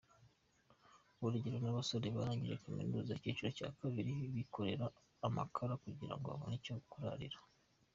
Urugero n’abasore barangije kaminuza icyiciro cya kabili bikorera amakara kugirango babone icyo kurarira.